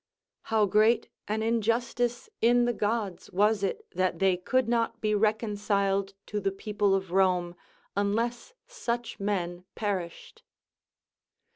_ "How great an injustice in the gods was it that they could not be reconciled to the people of Rome unless such men perished!"